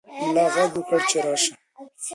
ملا غږ وکړ چې راشه.